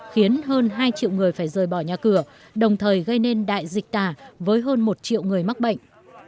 khiến hơn hai triệu người phải rời bỏ nhà cửa đồng thời gây nên đại dịch tà với hơn một triệu người mắc bệnh